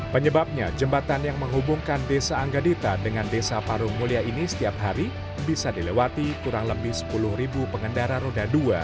penyebabnya jembatan yang menghubungkan desa anggadita dengan desa parung mulia ini setiap hari bisa dilewati kurang lebih sepuluh pengendara roda dua